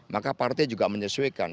maka partai juga menyesuaikan